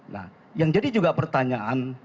nah yang jadi juga pertanyaan